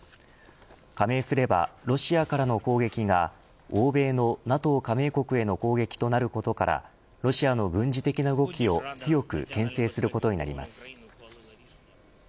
加盟すればロシアからの攻撃が欧米のＮＡＴＯ加盟国への攻撃となることからロシアの軍事的な動きを強くけん制することになります。